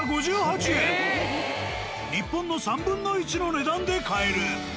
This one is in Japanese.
日本の３分の１の値段で買える。